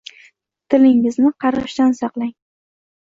tilingizni qarg‘ishdan saqlang.